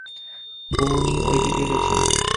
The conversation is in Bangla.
উনি ওইদিকে গেছেন।